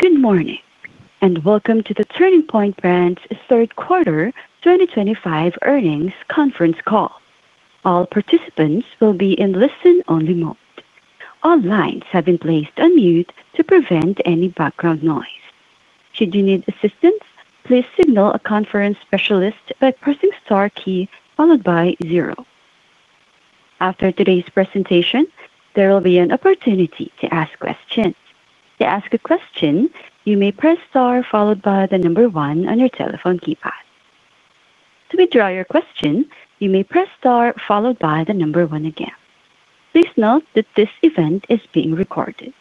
Good morning and welcome to the Turning Point Brands third quarter 2025 earnings conference call. All participants will be in listen-only mode. All lines have been placed on mute to prevent any background noise. Should you need assistance, please signal a conference specialist by pressing the star key followed by zero. After today's presentation, there will be an opportunity to ask questions. To ask a question, you may press star followed by the number one on your telephone keypad. To withdraw your question, you may press star followed by the number one again. Please note that this event is being recorded.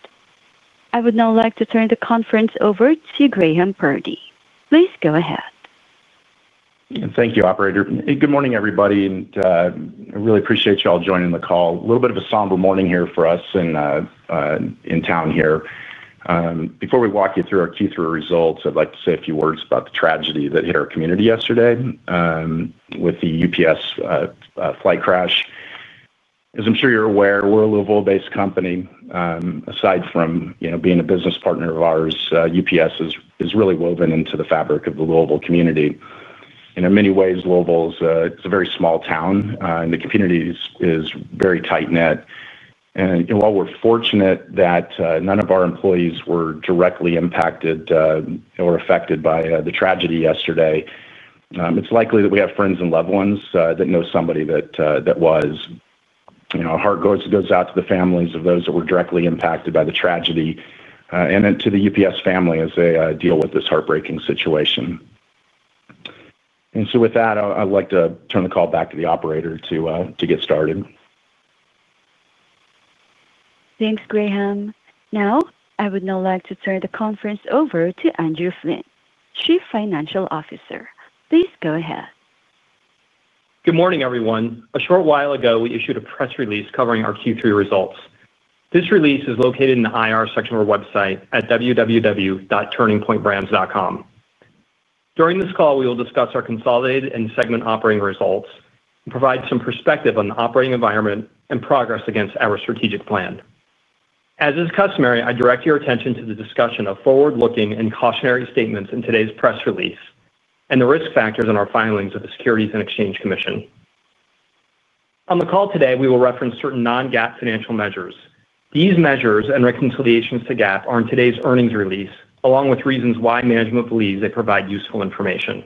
I would now like to turn the conference over to Graham Purdy. Please go ahead. Thank you, Operator. Good morning, everybody, and I really appreciate you all joining the call. A little bit of a somber morning here for us in town here. Before we walk you through our Q3 results, I'd like to say a few words about the tragedy that hit our community yesterday with the UPS flight crash. As I'm sure you're aware, we're a Louisville-based company. Aside from being a business partner of ours, UPS is really woven into the fabric of the Louisville community. In many ways, Louisville is a very small town, and the community is very tight-knit. While we're fortunate that none of our employees were directly impacted or affected by the tragedy yesterday, it's likely that we have friends and loved ones that know somebody that was. Our heart goes out to the families of those that were directly impacted by the tragedy. To the UPS family as they deal with this heartbreaking situation. With that, I'd like to turn the call back to the Operator to get started. Thanks, Graham. Now, I would now like to turn the conference over to Andrew Flynn, Chief Financial Officer. Please go ahead. Good morning, everyone. A short while ago, we issued a press release covering our Q3 results. This release is located in the IR section of our website at www.turningpointbrands.com. During this call, we will discuss our consolidated and segment operating results and provide some perspective on the operating environment and progress against our strategic plan. As is customary, I direct your attention to the discussion of forward-looking and cautionary statements in today's press release and the risk factors in our filings of the Securities and Exchange Commission. On the call today, we will reference certain non-GAAP financial measures. These measures and reconciliations to GAAP are in today's earnings release, along with reasons why management believes they provide useful information.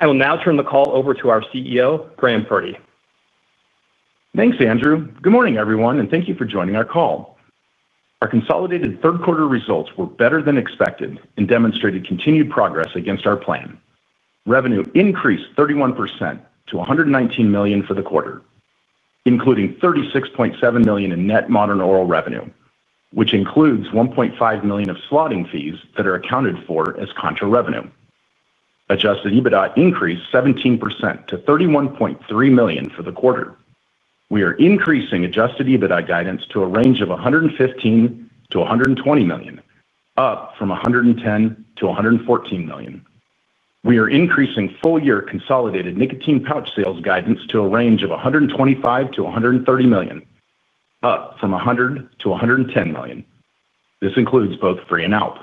I will now turn the call over to our CEO, Graham Purdy. Thanks, Andrew. Good morning, everyone, and thank you for joining our call. Our consolidated third-quarter results were better than expected and demonstrated continued progress against our plan. Revenue increased 31% to $119 million for the quarter, including $36.7 million in net modern oral revenue, which includes $1.5 million of slotting fees that are accounted for as contra revenue. Adjusted EBITDA increased 17% to $31.3 million for the quarter. We are increasing adjusted EBITDA guidance to a range of $115 million-$120 million, up from $110 million-$114 million. We are increasing full-year consolidated nicotine pouch sales guidance to a range of $125 million-$130 million, up from $100 million-$110 million. This includes both FRE and ALP.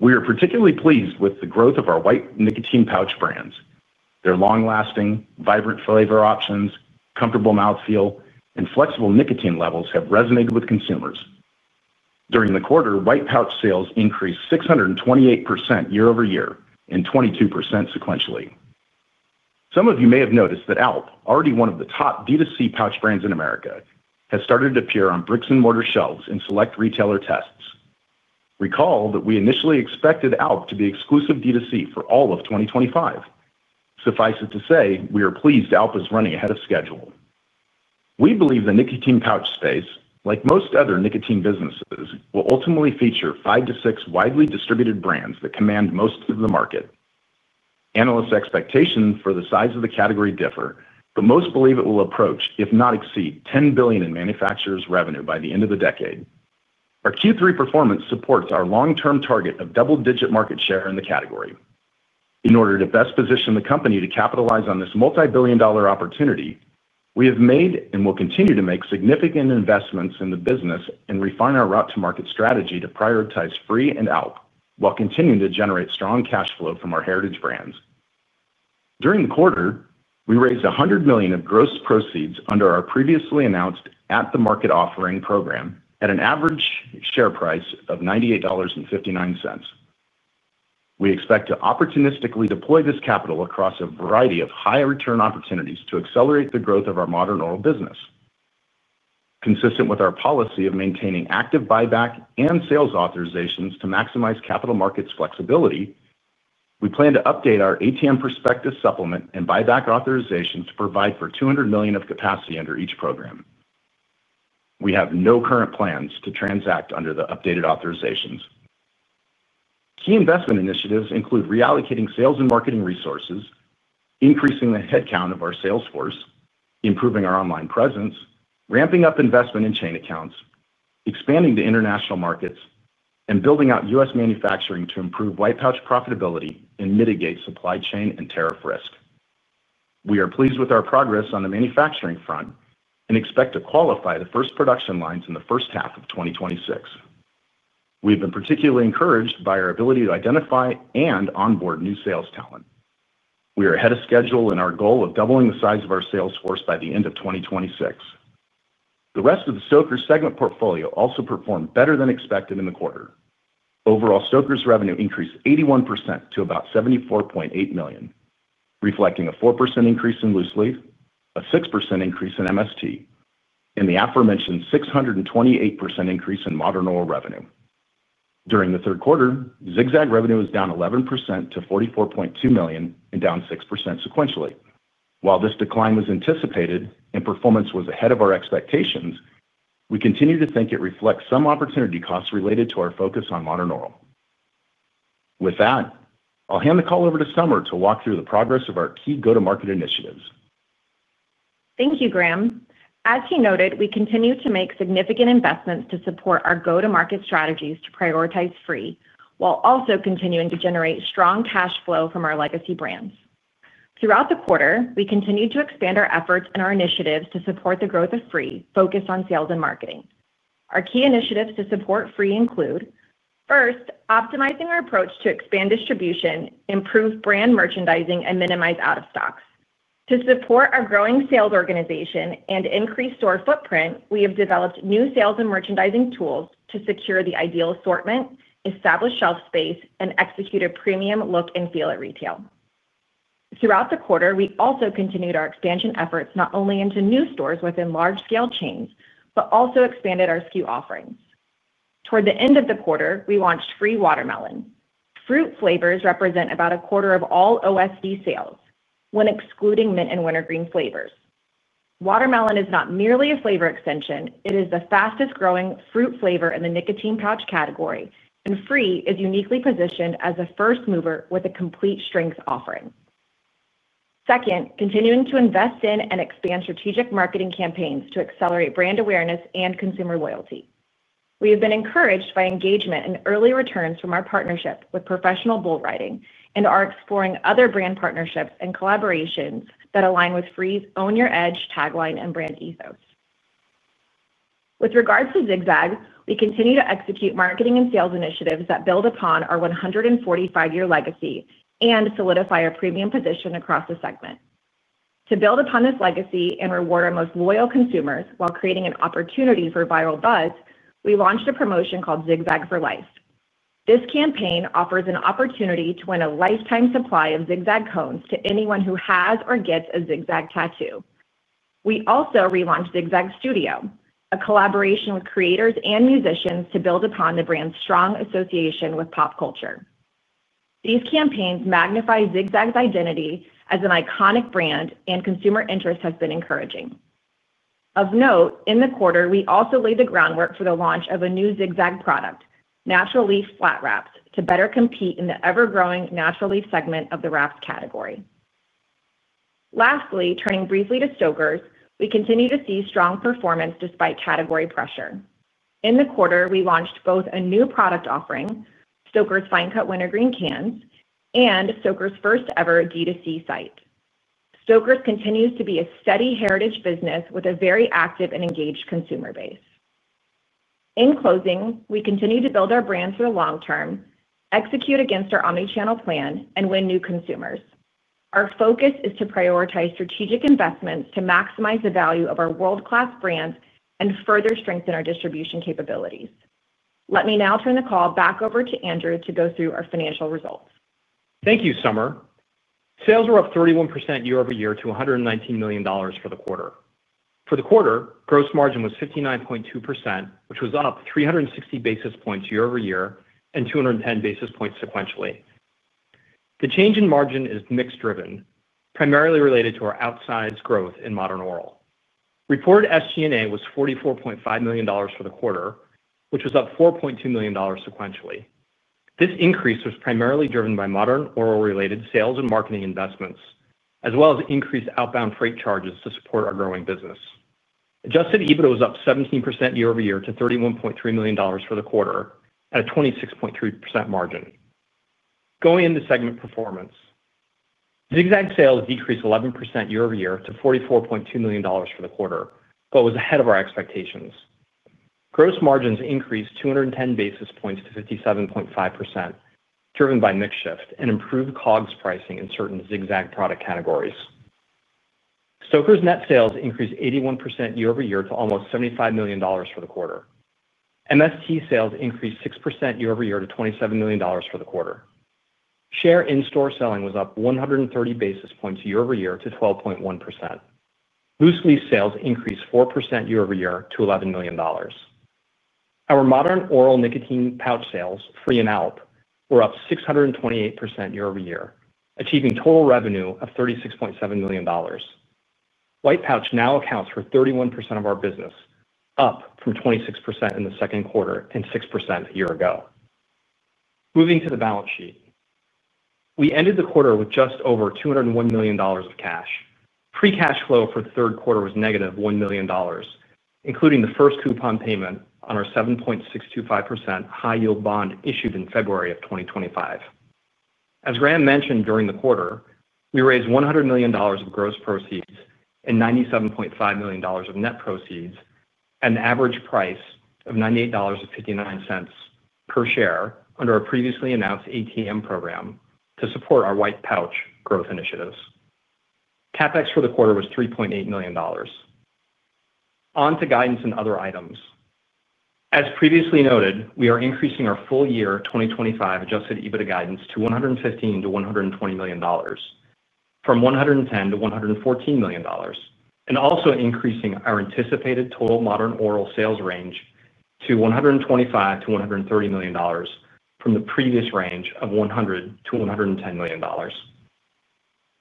We are particularly pleased with the growth of our White Nicotine Pouch brands. Their long-lasting, vibrant flavor options, comfortable mouthfeel, and flexible nicotine levels have resonated with consumers. During the quarter, White Pouch sales increased 628% year-over-year and 22% sequentially. Some of you may have noticed that ALP, already one of the top D2C pouch brands in America, has started to appear on bricks-and-mortar shelves in select retailer tests. Recall that we initially expected ALP to be exclusive D2C for all of 2025. Suffice it to say, we are pleased ALP is running ahead of schedule. We believe the nicotine pouch space, like most other nicotine businesses, will ultimately feature five to six widely distributed brands that command most of the market. Analysts' expectations for the size of the category differ, but most believe it will approach, if not exceed, $10 billion in manufacturers' revenue by the end of the decade. Our Q3 performance supports our long-term target of double-digit market share in the category. In order to best position the company to capitalize on this multi-billion dollar opportunity, we have made and will continue to make significant investments in the business and refine our route-to-market strategy to prioritize FRE and ALP while continuing to generate strong cash flow from our heritage brands. During the quarter, we raised $100 million of gross proceeds under our previously announced at-the-market offering program at an average share price of $98.59. We expect to opportunistically deploy this capital across a variety of high-return opportunities to accelerate the growth of our modern oral business. Consistent with our policy of maintaining active buyback and sales authorizations to maximize capital markets' flexibility, we plan to update our ATM prospectus supplement and buyback authorizations to provide for $200 million of capacity under each program. We have no current plans to transact under the updated authorizations. Key investment initiatives include reallocating sales and marketing resources, increasing the headcount of our sales force, improving our online presence, ramping up investment in chain accounts, expanding to international markets, and building out U.S. manufacturing to improve White Pouch profitability and mitigate supply chain and tariff risk. We are pleased with our progress on the manufacturing front and expect to qualify the first production lines in the first half of 2026. We have been particularly encouraged by our ability to identify and onboard new sales talent. We are ahead of schedule in our goal of doubling the size of our sales force by the end of 2026. The rest of the Stoker segment portfolio also performed better than expected in the quarter. Overall, Stoker's revenue increased 81% to about $74.8 million, reflecting a 4% increase in loose leaf, a 6% increase in MST, and the aforementioned 628% increase in modern oral revenue. During the third quarter, Zig-Zag revenue was down 11% to $44.2 million and down 6% sequentially. While this decline was anticipated and performance was ahead of our expectations, we continue to think it reflects some opportunity costs related to our focus on modern oral. With that, I'll hand the call over to Summer to walk through the progress of our key go-to-market initiatives. Thank you, Graham. As he noted, we continue to make significant investments to support our go-to-market strategies to prioritize FRE while also continuing to generate strong cash flow from our legacy brands. Throughout the quarter, we continued to expand our efforts and our initiatives to support the growth of FRE, focused on sales and marketing. Our key initiatives to support FRE include, first, optimizing our approach to expand distribution, improve brand merchandising, and minimize out-of-stocks. To support our growing sales organization and increase store footprint, we have developed new sales and merchandising tools to secure the ideal assortment, establish shelf space, and execute a premium look and feel at retail. Throughout the quarter, we also continued our expansion efforts not only into new stores within large-scale chains, but also expanded our SKU offerings. Toward the end of the quarter, we launched FRE Watermelon. Fruit flavors represent about a quarter of all OSD sales, when excluding Mint and Wintergreen flavors. Watermelon is not merely a flavor extension. It is the fastest-growing fruit flavor in the nicotine pouch category, and FRE is uniquely positioned as a first mover with a complete strengths offering. Second, continuing to invest in and expand strategic marketing campaigns to accelerate brand awareness and consumer loyalty. We have been encouraged by engagement and early returns from our partnership with Professional Bull Riders and are exploring other brand partnerships and collaborations that align with FRE's own-your-edge tagline and brand ethos. With regards to Zig-Zag, we continue to execute marketing and sales initiatives that build upon our 145-year legacy and solidify our premium position across the segment. To build upon this legacy and reward our most loyal consumers while creating an opportunity for viral buzz, we launched a promotion called Zig-Zag for Life. This campaign offers an opportunity to win a lifetime supply of Zig-Zag cones to anyone who has or gets a Zig-Zag tattoo. We also relaunched Zig-Zag Studio, a collaboration with creators and musicians to build upon the brand's strong association with pop culture. These campaigns magnify Zig-Zag's identity as an iconic brand and consumer interest has been encouraging. Of note, in the quarter, we also laid the groundwork for the launch of a new Zig-Zag product, Natural Leaf Flatwraps, to better compete in the ever-growing Natural Leaf segment of the Wraps category. Lastly, turning briefly to Stoker's, we continue to see strong performance despite category pressure. In the quarter, we launched both a new product offering, Stoker's Fine Cut Wintergreen Cans, and Stoker's first-ever D2C site. Stoker's continues to be a steady heritage business with a very active and engaged consumer base. In closing, we continue to build our brand for the long term, execute against our omnichannel plan, and win new consumers. Our focus is to prioritize strategic investments to maximize the value of our world-class brands and further strengthen our distribution capabilities. Let me now turn the call back over to Andrew to go through our financial results. Thank you, Summer. Sales were up 31% year-over-year to $119 million for the quarter. For the quarter, gross margin was 59.2%, which was up 360 basis points year-over-year and 210 basis points sequentially. The change in margin is mixed-driven, primarily related to our outsized growth in modern oral. Reported SG&A was $44.5 million for the quarter, which was up $4.2 million sequentially. This increase was primarily driven by modern oral-related sales and marketing investments, as well as increased outbound freight charges to support our growing business. Adjusted EBITDA was up 17% year-over-year to $31.3 million for the quarter at a 26.3% margin. Going into segment performance. Zig-Zag sales decreased 11% year-over-year to $44.2 million for the quarter, but was ahead of our expectations. Gross margins increased 210 basis points to 57.5%, driven by mix shift and improved COGS pricing in certain Zig-Zag product categories. Stoker's net sales increased 81% year-over-year to almost $75 million for the quarter. MST sales increased 6% year-over-year to $27 million for the quarter. Share in-store selling was up 130 basis points year- over-year to 12.1%. Loose leaf sales increased 4% year-over-year to $11 million. Our modern oral nicotine pouch sales, FRE and ALP, were up 628% year-over-year, achieving total revenue of $36.7 million. White Pouch now accounts for 31% of our business, up from 26% in the second quarter and 6% a year ago. Moving to the balance sheet. We ended the quarter with just over $201 million of cash. Pre-cash flow for the third quarter was negative $1 million, including the first coupon payment on our 7.625% high-yield bond issued in February of 2025. As Graham mentioned during the quarter, we raised $100 million of gross proceeds and $97.5 million of net proceeds at an average price of $98.59 per share under our previously announced ATM program to support our White Pouch growth initiatives. CapEx for the quarter was $3.8 million. On to guidance and other items. As previously noted, we are increasing our full-year 2025 adjusted EBITDA guidance to $115 million-$120 million, from $110 million-$114 million, and also increasing our anticipated total modern oral sales range to $125 million-$130 million from the previous range of $100 million-$110 million.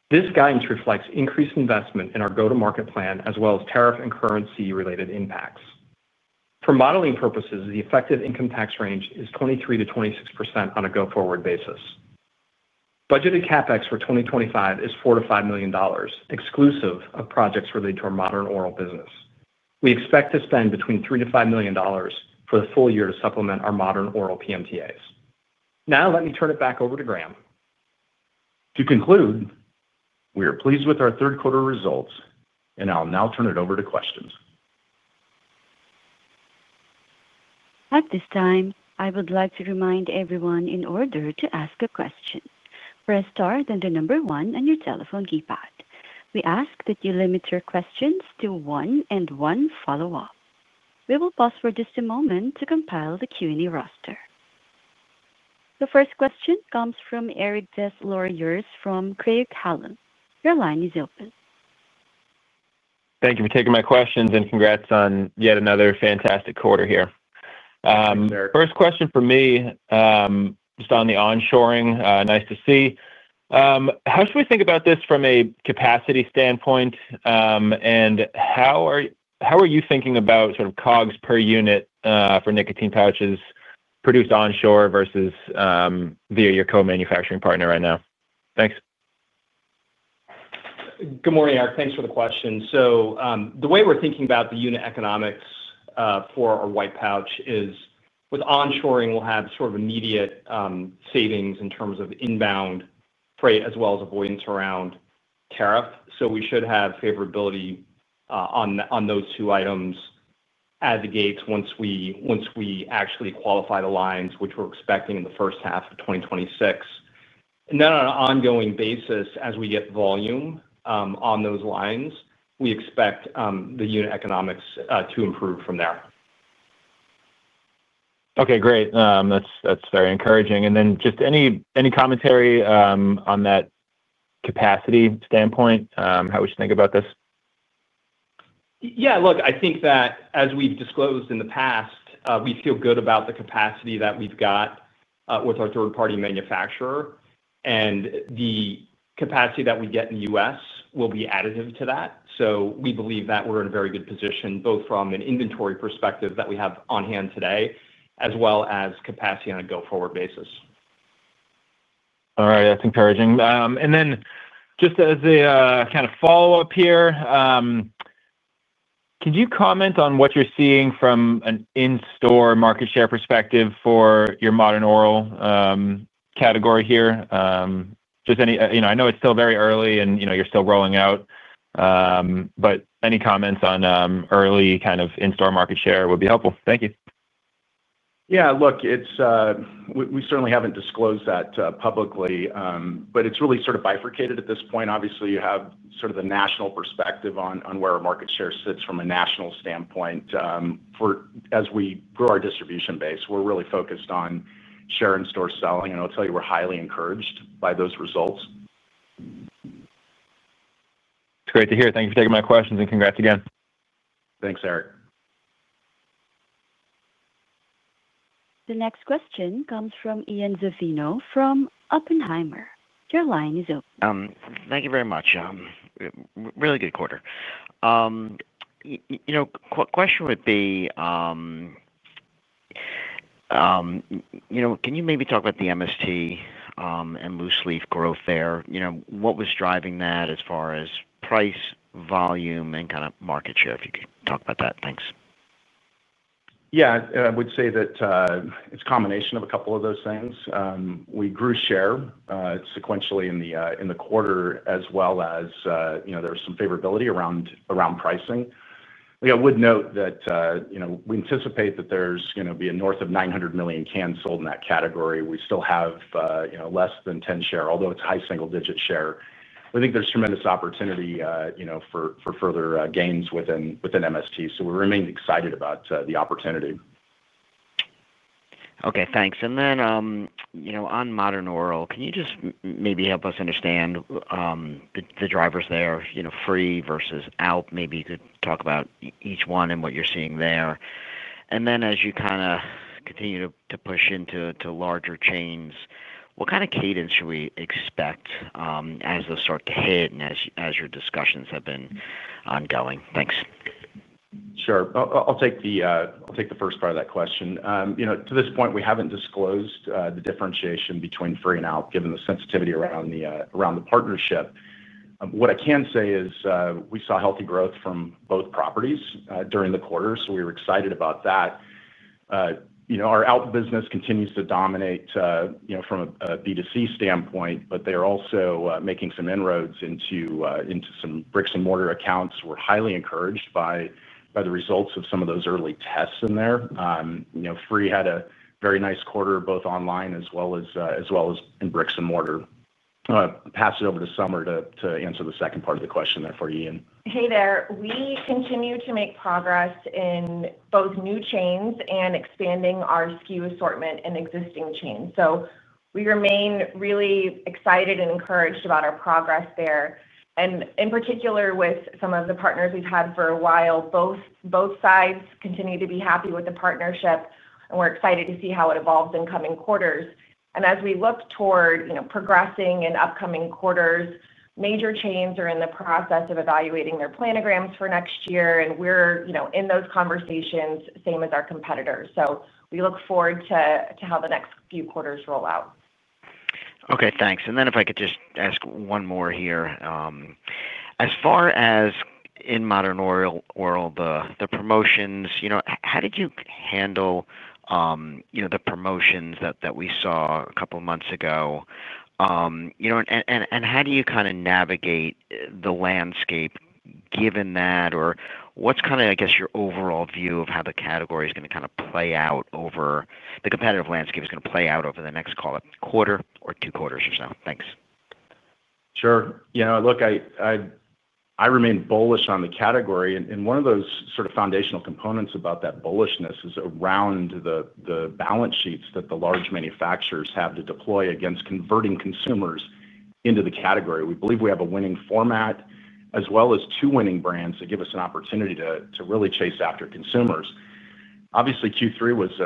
This guidance reflects increased investment in our go-to-market plan, as well as tariff and currency-related impacts. For modeling purposes, the effective income tax range is 23%-26% on a go-forward basis. Budgeted CapEx for 2025 is $4 million-$5 million, exclusive of projects related to our modern oral business. We expect to spend between $3 million-$5 million for the full year to supplement our modern oral PMTAs. Now, let me turn it back over to Graham. To conclude, we are pleased with our third-quarter results, and I'll now turn it over to questions. At this time, I would like to remind everyone in order to ask a question, press star and the number one on your telephone keypad. We ask that you limit your questions to one and one follow-up. We will pause for just a moment to compile the Q&A roster. The first question comes from Eric Des Lauriers from Craig-Hallum. Your line is open. Thank you for taking my questions and congrats on yet another fantastic quarter here. First question for me. Just on the onshoring, nice to see. How should we think about this from a capacity standpoint? How are you thinking about sort of COGS per unit for nicotine pouches produced onshore versus via your co-manufacturing partner right now? Thanks. Good morning, Eric. Thanks for the question. The way we're thinking about the unit economics for our White Pouch is with onshoring, we'll have sort of immediate savings in terms of inbound freight as well as avoidance around tariff. We should have favorability on those two items. At the gates once we actually qualify the lines, which we're expecting in the first half of 2026. On an ongoing basis, as we get volume on those lines, we expect the unit economics to improve from there. Okay, great. That's very encouraging. Just any commentary on that capacity standpoint, how we should think about this? Yeah, look, I think that as we've disclosed in the past, we feel good about the capacity that we've got with our third-party manufacturer. The capacity that we get in the U.S. will be additive to that. We believe that we're in a very good position, both from an inventory perspective that we have on hand today, as well as capacity on a go-forward basis. All right, that's encouraging. Just as a kind of follow-up here, could you comment on what you're seeing from an in-store market share perspective for your modern oral category here? Just any, I know it's still very early and you're still rolling out, but any comments on early kind of in-store market share would be helpful. Thank you. Yeah, look, we certainly have not disclosed that publicly, but it is really sort of bifurcated at this point. Obviously, you have sort of the national perspective on where our market share sits from a national standpoint. As we grow our distribution base, we are really focused on share in-store selling. I will tell you, we are highly encouraged by those results. It's great to hear. Thank you for taking my questions and congrats again. Thanks, Eric. The next question comes from Ian Zaffino from Oppenheimer. Your line is open. Thank you very much. Really good quarter. Question would be, can you maybe talk about the MST and loose leaf growth there? What was driving that as far as price, volume, and kind of market share? If you could talk about that, thanks. Yeah, I would say that it's a combination of a couple of those things. We grew share sequentially in the quarter as well as there was some favorability around pricing. I would note that. We anticipate that there's going to be a north of 900 million cans sold in that category. We still have less than 10% share, although it's high single-digit share. We think there's tremendous opportunity for further gains within MST. We remain excited about the opportunity. Okay, thanks. On modern oral, can you just maybe help us understand the drivers there, FRE versus ALP! Maybe you could talk about each one and what you're seeing there. As you kind of continue to push into larger chains, what kind of cadence should we expect as those start to hit and as your discussions have been ongoing? Thanks. Sure. I'll take the first part of that question. To this point, we haven't disclosed the differentiation between FRE and ALP, given the sensitivity around the partnership. What I can say is we saw healthy growth from both properties during the quarter, so we were excited about that. Our ALP business continues to dominate from a B2C standpoint, but they're also making some inroads into some bricks and mortar accounts. We're highly encouraged by the results of some of those early tests in there. FRE had a very nice quarter, both online as well as in bricks and mortar. I'll pass it over to Summer to answer the second part of the question there for you, Ian. Hey there. We continue to make progress in both new chains and expanding our SKU assortment in existing chains. We remain really excited and encouraged about our progress there. In particular, with some of the partners we've had for a while, both sides continue to be happy with the partnership, and we're excited to see how it evolves in coming quarters. As we look toward progressing in upcoming quarters, major chains are in the process of evaluating their planograms for next year, and we're in those conversations, same as our competitors. We look forward to how the next few quarters roll out. Okay, thanks. If I could just ask one more here. As far as in modern oral, the promotions, how did you handle the promotions that we saw a couple of months ago? How do you kind of navigate the landscape given that? What's kind of, I guess, your overall view of how the category is going to kind of play out over the competitive landscape is going to play out over the next, call it, quarter or two quarters or so? Thanks. Sure. Yeah, look, I remain bullish on the category. One of those sort of foundational components about that bullishness is around the balance sheets that the large manufacturers have to deploy against converting consumers into the category. We believe we have a winning format, as well as two winning brands that give us an opportunity to really chase after consumers. Obviously, Q3 was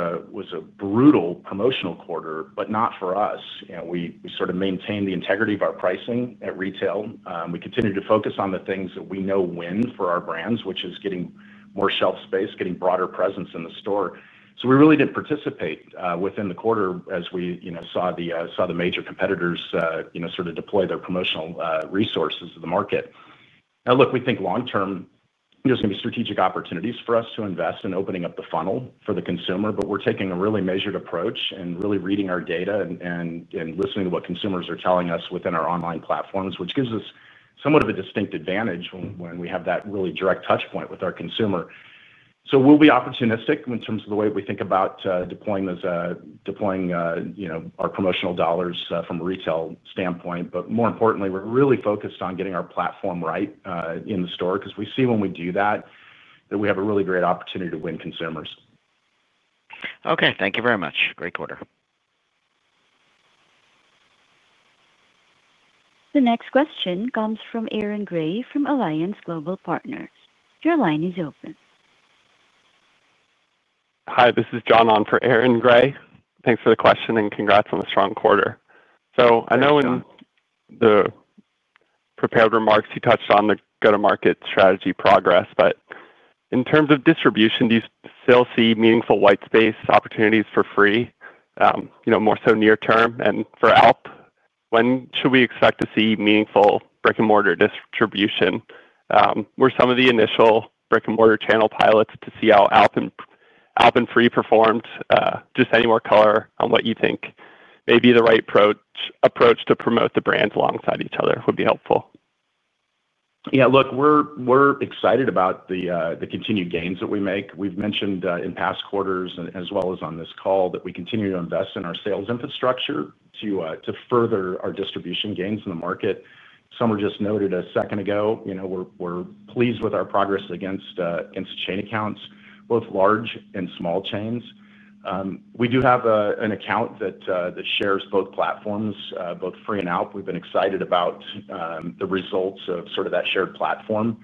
a brutal promotional quarter, but not for us. We sort of maintained the integrity of our pricing at retail. We continued to focus on the things that we know win for our brands, which is getting more shelf space, getting broader presence in the store. We really did participate within the quarter as we saw the major competitors sort of deploy their promotional resources to the market. Now, look, we think long-term, there's going to be strategic opportunities for us to invest in opening up the funnel for the consumer, but we're taking a really measured approach and really reading our data and listening to what consumers are telling us within our online platforms, which gives us somewhat of a distinct advantage when we have that really direct touchpoint with our consumer. We'll be opportunistic in terms of the way we think about deploying our promotional dollars from a retail standpoint. More importantly, we're really focused on getting our platform right in the store because we see when we do that that we have a really great opportunity to win consumers. Okay, thank you very much. Great quarter. The next question comes from Aaron Grey from Alliance Global Partners. Your line is open. Hi, this is John on for Aaron Grey. Thanks for the question and congrats on the strong quarter. I know in the prepared remarks, you touched on the go-to-market strategy progress, but in terms of distribution, do you still see meaningful white space opportunities for FRE, more so near-term, and for ALP? When should we expect to see meaningful brick-and-mortar distribution? Were some of the initial brick-and-mortar channel pilots to see how ALP and FRE performed? Just any more color on what you think may be the right approach to promote the brands alongside each other would be helpful. Yeah, look, we're excited about the continued gains that we make. We've mentioned in past quarters, as well as on this call, that we continue to invest in our sales infrastructure to further our distribution gains in the market. Summer just noted a second ago. We're pleased with our progress against chain accounts, both large and small chains. We do have an account that shares both platforms, both FRE and ALP. We've been excited about the results of sort of that shared platform.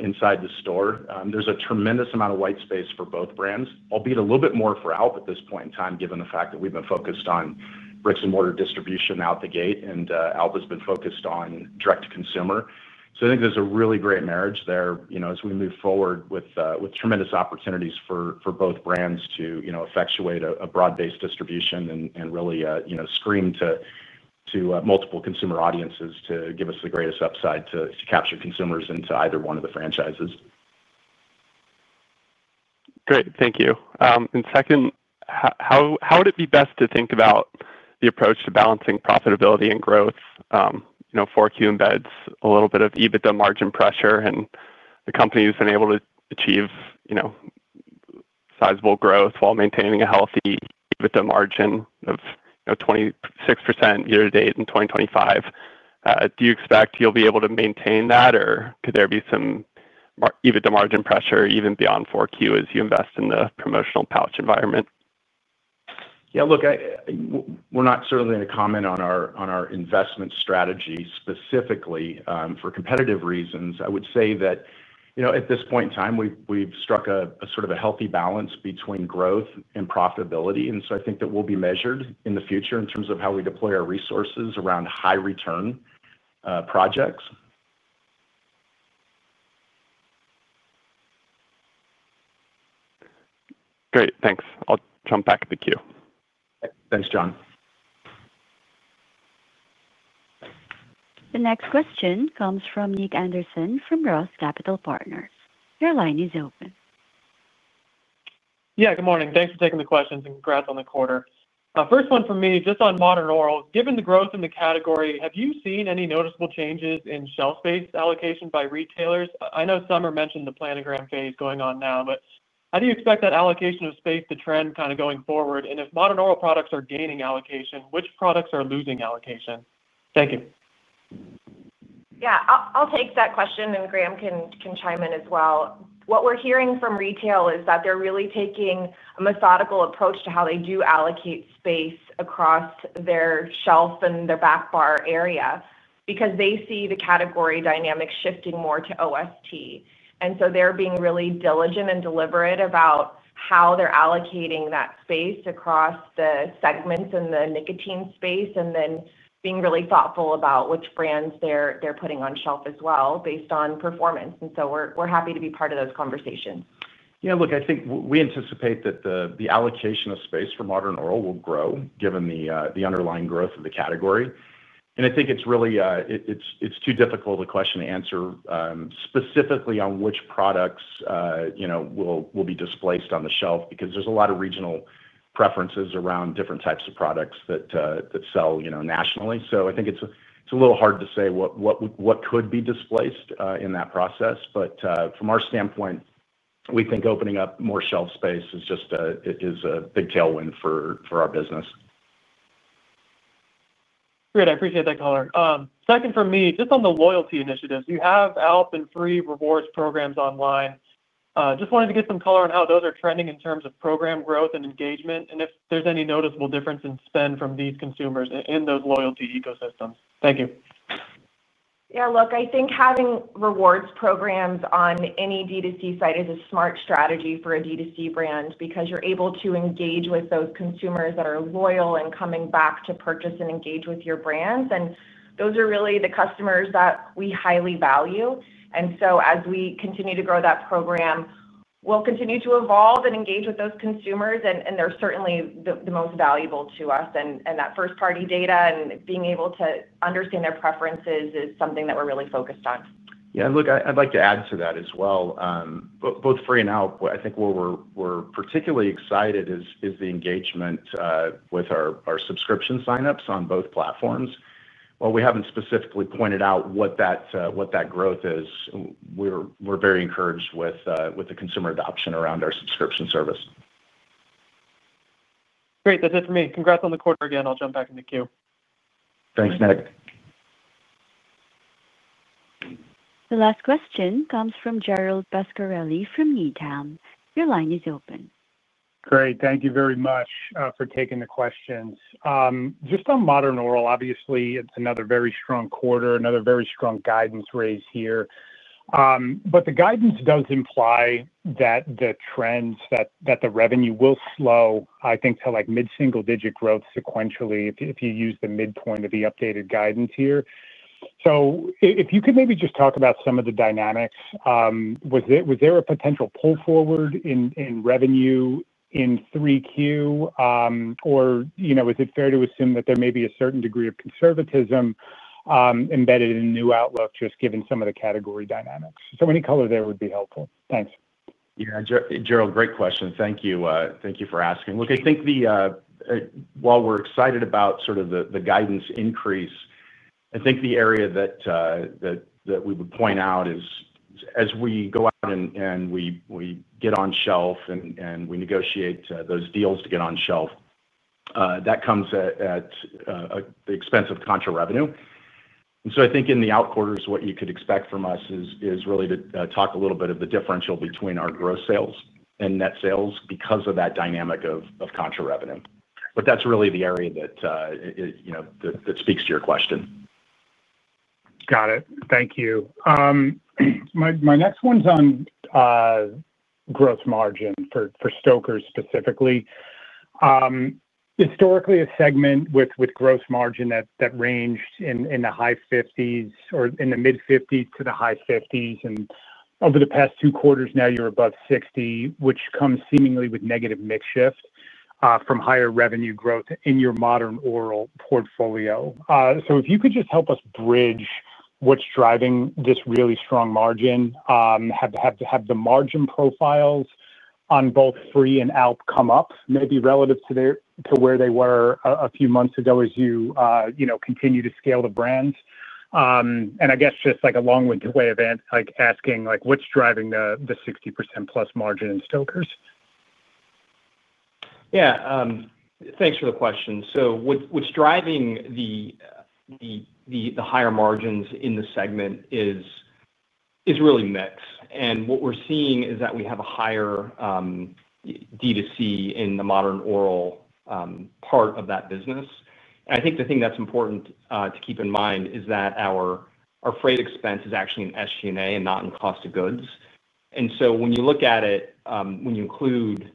Inside the store, there's a tremendous amount of white space for both brands, albeit a little bit more for ALP at this point in time, given the fact that we've been focused on brick-and-mortar distribution out the gate, and ALP has been focused on direct-to-consumer. I think there's a really great marriage there as we move forward with tremendous opportunities for both brands to effectuate a broad-based distribution and really scream to multiple consumer audiences to give us the greatest upside to capture consumers into either one of the franchises. Great, thank you. Second, how would it be best to think about the approach to balancing profitability and growth? For Q, embeds a little bit of EBITDA margin pressure, and the company has been able to achieve sizable growth while maintaining a healthy EBITDA margin of 26% year to date in 2025. Do you expect you'll be able to maintain that, or could there be some EBITDA margin pressure even beyond 4Q as you invest in the promotional pouch environment? Yeah, look. We're not certainly going to comment on our investment strategy specifically for competitive reasons. I would say that at this point in time, we've struck a sort of a healthy balance between growth and profitability. I think that we'll be measured in the future in terms of how we deploy our resources around high-return projects. Great, thanks. I'll jump back to queue. Thanks, John. The next question comes from Nick Anderson from ROTH Capital Partners. Your line is open. Yeah, good morning. Thanks for taking the questions and congrats on the quarter. First one for me, just on modern oral, given the growth in the category, have you seen any noticeable changes in shelf space allocation by retailers? I know Summer mentioned the planogram phase going on now, but how do you expect that allocation of space to trend kind of going forward? If modern oral products are gaining allocation, which products are losing allocation? Thank you. Yeah, I'll take that question, and Graham can chime in as well. What we're hearing from retail is that they're really taking a methodical approach to how they do allocate space across their shelf and their back bar area because they see the category dynamic shifting more to OST. They are being really diligent and deliberate about how they're allocating that space across the segments and the nicotine space, and then being really thoughtful about which brands they're putting on shelf as well based on performance. We are happy to be part of those conversations. Yeah, look, I think we anticipate that the allocation of space for modern oral will grow, given the underlying growth of the category. I think it's really too difficult a question to answer specifically on which products will be displaced on the shelf because there's a lot of regional preferences around different types of products that sell nationally. I think it's a little hard to say what could be displaced in that process. From our standpoint, we think opening up more shelf space is just a big tailwind for our business. Great, I appreciate that, color. Second for me, just on the loyalty initiatives, you have ALP and FRE rewards programs online. Just wanted to get some color on how those are trending in terms of program growth and engagement, and if there's any noticeable difference in spend from these consumers in those loyalty ecosystems. Thank you. Yeah, look, I think having rewards programs on any D2C site is a smart strategy for a D2C brand because you're able to engage with those consumers that are loyal and coming back to purchase and engage with your brands. Those are really the customers that we highly value. As we continue to grow that program, we'll continue to evolve and engage with those consumers, and they're certainly the most valuable to us. That first-party data and being able to understand their preferences is something that we're really focused on. Yeah, look, I'd like to add to that as well. Both FRE and ALP, I think what we're particularly excited about is the engagement. With our subscription sign-ups on both platforms. While we haven't specifically pointed out what that growth is, we're very encouraged with the consumer adoption around our subscription service. Great, that's it for me. Congrats on the quarter again. I'll jump back into queue. Thanks, Nick. The last question comes from Gerald Pascarelli from Needham. Your line is open. Great, thank you very much for taking the questions. Just on modern oral, obviously, it's another very strong quarter, another very strong guidance raise here. The guidance does imply that the trends, that the revenue will slow, I think, to like mid-single-digit growth sequentially if you use the midpoint of the updated guidance here. If you could maybe just talk about some of the dynamics. Was there a potential pull forward in revenue in 3Q? Or is it fair to assume that there may be a certain degree of conservatism embedded in the new outlook, just given some of the category dynamics? Any color there would be helpful. Thanks. Yeah, Gerald, great question. Thank you for asking. Look, I think while we're excited about sort of the guidance increase, I think the area that we would point out is as we go out and we get on shelf and we negotiate those deals to get on shelf, that comes at the expense of contra revenue. I think in the out quarters, what you could expect from us is really to talk a little bit of the differential between our gross sales and net sales because of that dynamic of contra revenue. That's really the area that speaks to your question. Got it. Thank you. My next one's on gross margin for Stoker's specifically. Historically, a segment with gross margin that ranged in the high 50s or in the mid-50s to the high 50s. Over the past two quarters now, you're above 60, which comes seemingly with negative mix shift from higher revenue growth in your modern oral portfolio. If you could just help us bridge what's driving this really strong margin, have the margin profiles on both FRE and ALP come up, maybe relative to where they were a few months ago as you continue to scale the brands. I guess just like a long-winded way of asking what's driving the 60% plus margin in Stoker's. Yeah. Thanks for the question. What's driving the higher margins in the segment is really mix. What we're seeing is that we have a higher D2C in the modern oral part of that business. I think the thing that's important to keep in mind is that our freight expense is actually in SG&A and not in cost of goods. When you look at it, when you include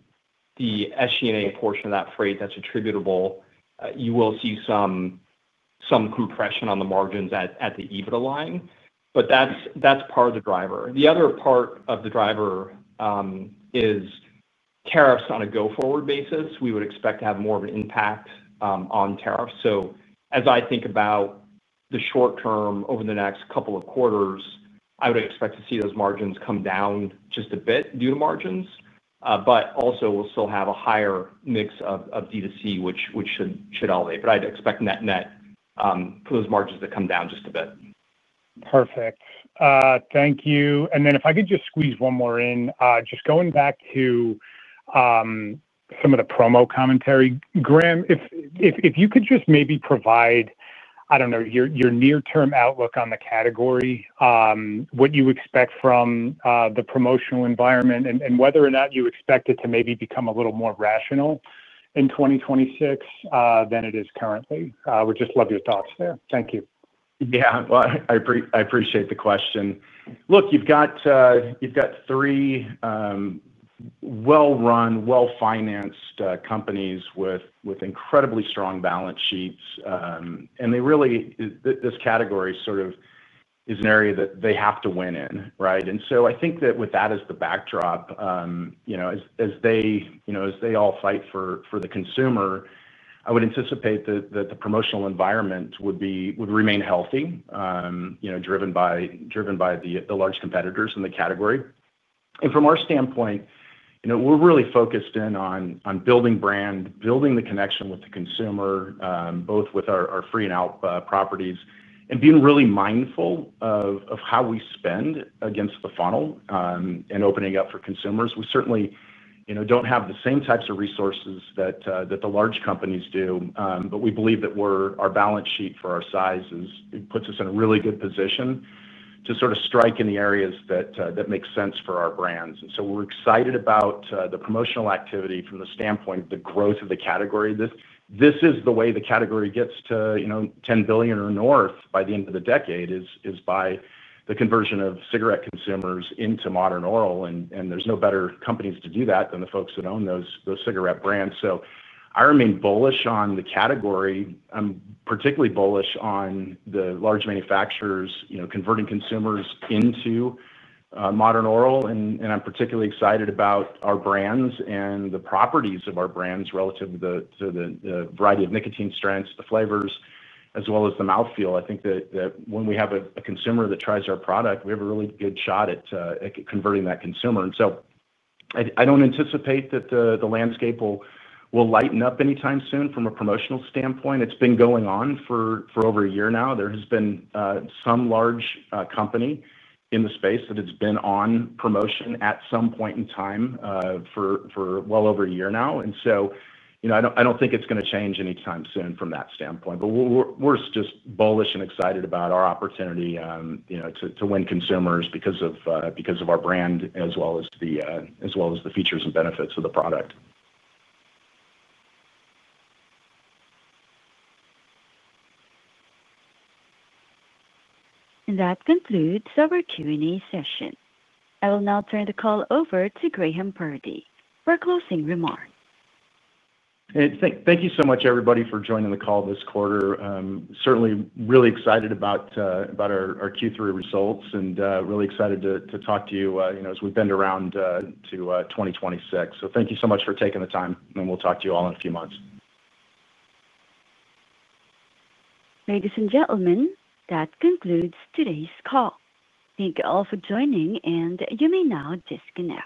the SG&A portion of that freight that's attributable, you will see some compression on the margins at the EBITDA line. That's part of the driver. The other part of the driver is tariffs. On a go-forward basis, we would expect to have more of an impact on tariffs. As I think about the short term over the next couple of quarters, I would expect to see those margins come down just a bit due to margins, but also we'll still have a higher mix of D2C, which should elevate. I'd expect net for those margins to come down just a bit. Perfect. Thank you. If I could just squeeze one more in, just going back to some of the promo commentary, Graham, if you could just maybe provide, I do not know, your near-term outlook on the category, what you expect from the promotional environment, and whether or not you expect it to maybe become a little more rational in 2026 than it is currently. We would just love your thoughts there. Thank you. Yeah, I appreciate the question. Look, you have three well-run, well-financed companies with incredibly strong balance sheets. This category sort of is an area that they have to win in, right? I think that with that as the backdrop, as they all fight for the consumer, I would anticipate that the promotional environment would remain healthy, driven by the large competitors in the category. From our standpoint, we are really focused in on building brand, building the connection with the consumer, both with our FRE and ALP properties, and being really mindful of how we spend against the funnel and opening up for consumers. We certainly do not have the same types of resources that the large companies do, but we believe that our balance sheet for our size puts us in a really good position. To sort of strike in the areas that make sense for our brands. We are excited about the promotional activity from the standpoint of the growth of the category. This is the way the category gets to $10 billion or north by the end of the decade, by the conversion of cigarette consumers into modern oral. There are no better companies to do that than the folks that own those cigarette brands. I remain bullish on the category. I am particularly bullish on the large manufacturers converting consumers into modern oral. I am particularly excited about our brands and the properties of our brands relative to the variety of nicotine strengths, the flavors, as well as the mouthfeel. I think that when we have a consumer that tries our product, we have a really good shot at converting that consumer. I do not anticipate that the landscape will lighten up anytime soon from a promotional standpoint. It's been going on for over a year now. There has been some large company in the space that has been on promotion at some point in time for well over a year now. I do not think it's going to change anytime soon from that standpoint. We're just bullish and excited about our opportunity to win consumers because of our brand as well as the features and benefits of the product. That concludes our Q&A session. I will now turn the call over to Graham Purdy for closing remarks. Thank you so much, everybody, for joining the call this quarter. Certainly really excited about our Q3 results and really excited to talk to you as we bend around to 2026. Thank you so much for taking the time, and we'll talk to you all in a few months. Ladies and gentlemen, that concludes today's call. Thank you all for joining, and you may now disconnect.